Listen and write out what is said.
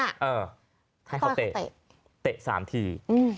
ให้เขาเตะ๓ที